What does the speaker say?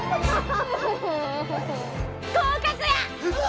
合格や！